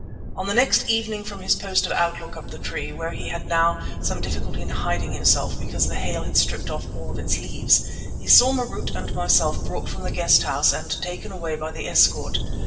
On the next evening from his post of outlook up the tree, where he had now some difficulty in hiding himself because the hail had stripped off all its leaves, he saw Marût and myself brought from the guest house and taken away by the escort.